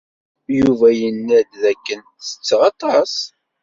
Yuba yenna-d dakken setteɣ aṭas.